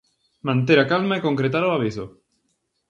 Manter a calma e concretar o aviso.